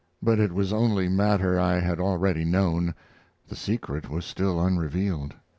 But it was only matter I had already known; the secret was still unrevealed.